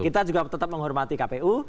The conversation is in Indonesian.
kita juga tetap menghormati kpu